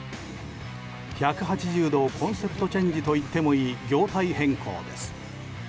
１８０度コンセプトチェンジといってもいい業態変更です。